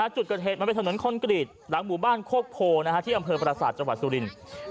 จุดกระเทศมันไปถนนคนกรีดหลังหมู่บ้านโคกโพที่อำเภอปราศาสตร์จังหวัดสุริน